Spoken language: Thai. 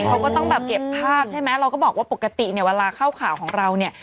เขาก็ต้องแบบเก็บภาพใช่ไหมเราก็บอกว่าปกติเนี่ยเวลาเข้าข่าวของเราเนี่ย